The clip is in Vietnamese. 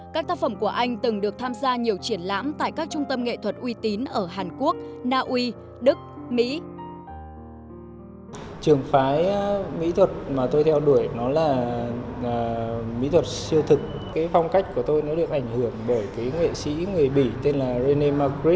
các tác phẩm của anh từng được tham gia nhiều triển lãm tại các trung tâm nghệ thuật uy tín ở hàn quốc naui đức mỹ